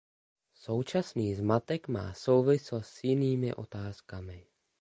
Současný zmatek má souvislost s jinými otázkami.